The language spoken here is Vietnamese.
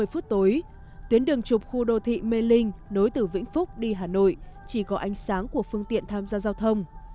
một mươi chín h ba mươi tối tuyến đường trục khu đô thị mê linh nối từ vĩnh phúc đi hà nội chỉ có ánh sáng của phương tiện tham gia giao thông